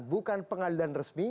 bukan pengadilan resmi